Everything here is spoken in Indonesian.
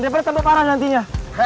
daripada tambah parah nantinya